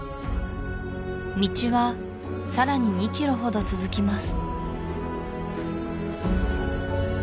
道はさらに２キロほど続きます